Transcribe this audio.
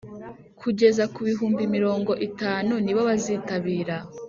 kugeza ku bihumbi mirongo itanu nibo bazitabira